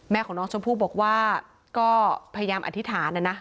ของน้องชมพู่บอกว่าก็พยายามอธิษฐานนะนะ